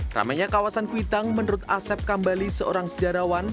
ramainya kawasan kuitang menurut asep kambali seorang sejarawan